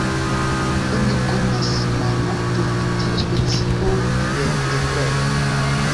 Oni konas malmulte pri tiu specio de petrelo.